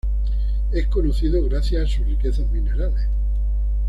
Es conocido gracias a sus riquezas minerales.